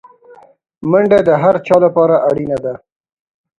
منډه د هر چا لپاره اړینه ده